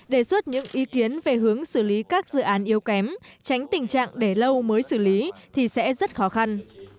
đề xuất những ý kiến về hướng xử lý các dự án yếu kém tránh tình trạng để lâu mới xử lý thì sẽ rất khó khăn